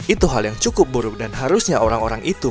itu hal yang cukup buruk dan harusnya orang orang itu